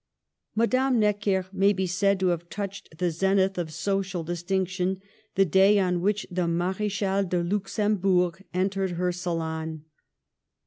Madame Necker may be said to have touched the zenith of social distinction the day on which the Mar^chale de Luxembourg entered her salon.